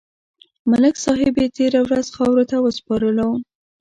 ملک صاحب یې تېره ورځ خاورو ته وسپارلو.